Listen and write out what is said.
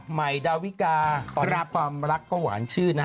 ใหม่ดาวิการาบความรักของหวานชื่น